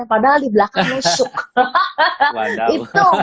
padahal di belakang masuk